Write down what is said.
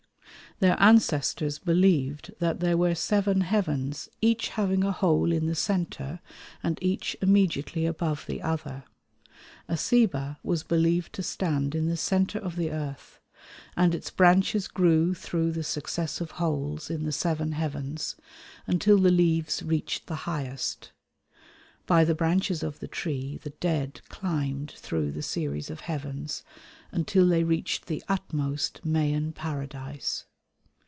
Their ancestors believed that there were seven heavens, each having a hole in the centre and each immediately above the other. A ceiba was believed to stand in the centre of the earth, and its branches grew through the successive holes in the seven heavens until the leaves reached the highest. By the branches of the tree the dead climbed through the series of heavens until they reached the utmost Mayan paradise.